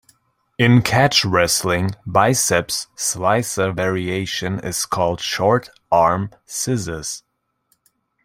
In catch wrestling biceps slicer variation is called short-arm scissors.